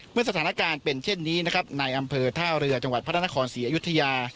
เมื่อสถานการณ์เป็นเช่นนี้นะครับในอำเภอท่าเรือจังหวัดพระนครศรีอยุธยา